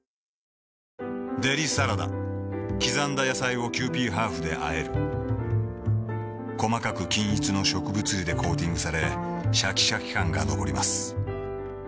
デリサラダ刻んだ野菜をキユーピーハーフであえる細かく均一の植物油でコーティングされシャキシャキ感が残ります